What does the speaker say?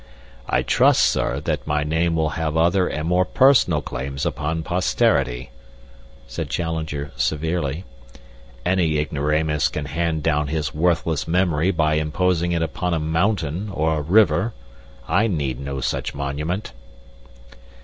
"I trust, sir, that my name will have other and more personal claims upon posterity," said Challenger, severely. "Any ignoramus can hand down his worthless memory by imposing it upon a mountain or a river. I need no such monument."